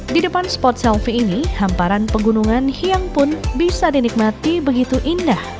di depan spot selfie ini hamparan pegunungan hiang pun bisa dinikmati begitu indah